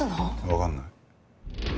わかんない。